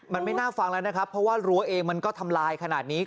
มันไม่น่าฟังแล้วนะครับเพราะว่ารั้วเองมันก็ทำลายขนาดนี้